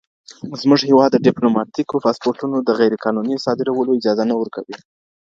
زموږ هېواد د ډیپلوماتیکو پاسپورټونو د غیرقانوني صادرولو اجازه نه ورکوي.